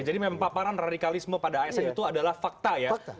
jadi memang paparan radikalisme pada asn itu adalah fakta ya